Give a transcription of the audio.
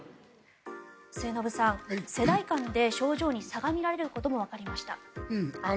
末延さん、世代間で症状に差が見られることもわかりました。